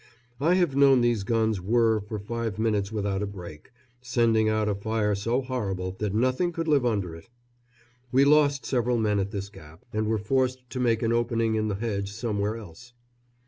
I have known these guns whirr for five minutes without a break, sending out a fire so horrible that nothing could live under it. We lost several men at this gap, and were forced to make an opening in the hedge somewhere else.